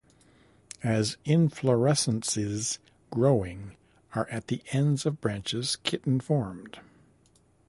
As inflorescences growing are at the ends of branches kitten formed.